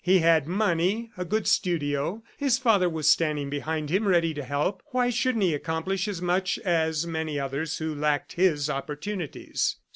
He had money, a good studio, his father was standing behind him ready to help why shouldn't he accomplish as much as many others who lacked his opportunities?